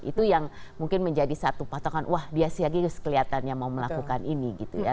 itu yang mungkin menjadi satu patokan wah dia serius kelihatannya mau melakukan ini gitu ya